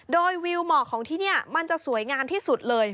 โดยวิวเหมาะของที่นี่มันจะสวยงามที่สุดเลย